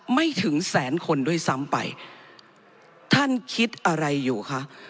ไม่ถึงแสนคนด้วยซ้ำไปท่านคิดอะไรอยู่คะ